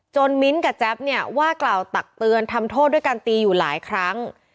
มิ้นท์กับแจ๊บเนี่ยว่ากล่าวตักเตือนทำโทษด้วยการตีอยู่หลายครั้ง